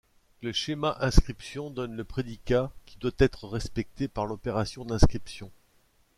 Le schéma Inscription donne le prédicat qui doit être respecté par l'opération d'inscription.